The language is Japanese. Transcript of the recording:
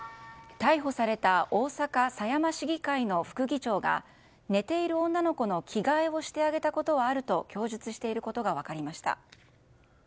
逮捕された大阪・狭山市議会の副議長が寝ている女の子の着替えをしてあげたことはあると供述していることが分かりました。